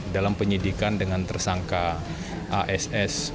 dalam penyidikan dengan tersangka ass